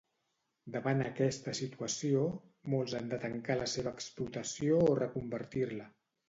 Davant aquesta situació, molts han de tancar la seva explotació o reconvertir-la.